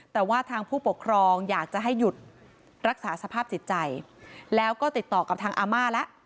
แต่ว่าทางผู้ปกครองอยากจะให้หยุดรักษาสภาพจิตใจแล้วก็ติดต่อกับทางอาม่าแล้ว